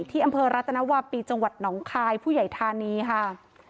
ที่อำเภอรัตนวาปีจังหวัดหนองคายผู้ใหญ่ธานีค่ะ